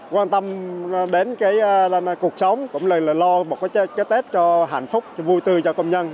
quan tâm đến cuộc sống cũng là lo một cái tết cho hạnh phúc vui tươi cho công nhân